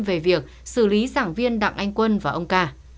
về việc xử lý giảng viên đặng anh quân và ông ca